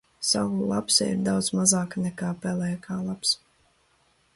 Salu lapsa ir daudz mazāka nekā pelēkā lapsa.